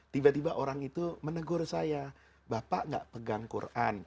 tiba tiba orang itu menegur saya bapak nggak pegang quran